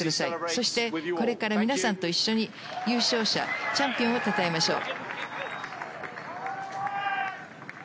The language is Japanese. そして皆さんと一緒に優勝者、チャンピオンをたたえましょう。